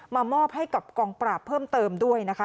มอบให้กับกองปราบเพิ่มเติมด้วยนะคะ